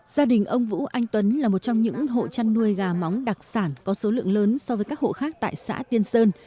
gia đình ông vũ anh tuấn là một trong những hộ chăn nuôi gà móng đặc sản có số lượng lớn so với các hộ khác tại xã tiên sơn